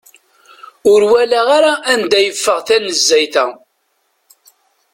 Ur walaɣ ara anda yeffeɣ tanezzayt-a.